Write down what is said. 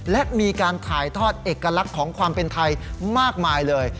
และมีการถ่ายทอดเอกลักษณ์ของความเป็นไทยมากมายเลย